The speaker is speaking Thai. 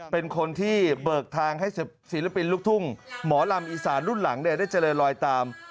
เป็นคนที่เบิกทางให้ศิลปินลูกทุ่งหมอลำอีสานรุ่นหลังได้เจริญลอยตาม